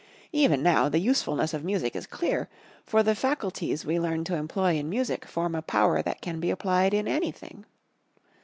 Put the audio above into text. Even now the usefulness of music is clear, for the faculties we learn to employ in music form a power that can be applied in anything.